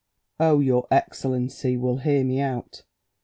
"Oh, your excellency will hear me out.